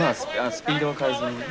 スピードは変えずにね。